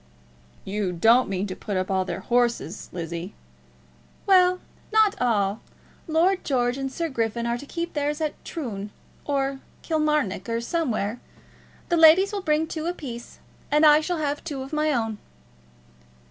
"You don't mean to put up all their horses, Lizzie?" "Well, not all. Lord George and Sir Griffin are to keep theirs at Troon, or Kilmarnock, or somewhere. The ladies will bring two apiece, and I shall have two of my own."